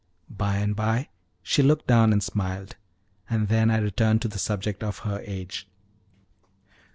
By and by she looked down and smiled, and then I returned to the subject of her age.